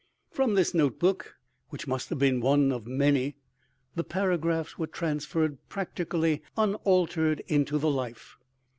From this notebook (which must have been one of many) the paragraphs were transferred practically unaltered into the Life.